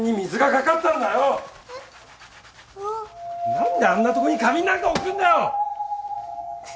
何であんなとこに花瓶なんか置くんだよ！